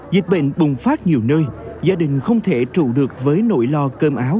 dịch bệnh bùng phát nhiều nơi gia đình không thể trụ được với nỗi lo cơm áo